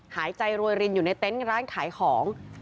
หายใจโรยรินอยู่ในเต้นร้านไขของ